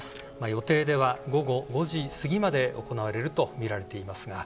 予定では午後５時過ぎまで行われるとみられています。